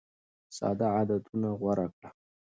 ساده عادتونه غوره کړه.